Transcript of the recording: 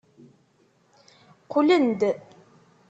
Qqlen-d.